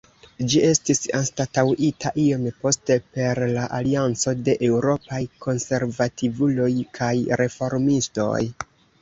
Ĝi estis anstataŭita iom poste per la Alianco de Eŭropaj Konservativuloj kaj Reformistoj.